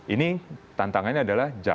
ini kita bisa mengalokasikan itu